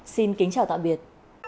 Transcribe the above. xin kính chào tạm biệt